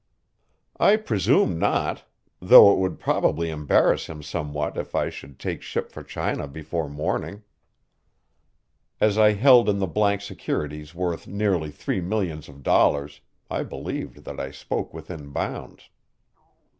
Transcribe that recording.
"I presume not, thought it would probably embarrass him somewhat if I should take ship for China before morning." As I held in the bank securities worth nearly three millions of dollars, I believed that I spoke within bounds.